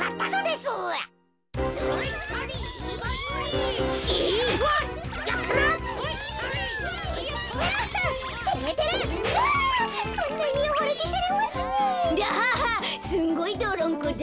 すごいどろんこだ。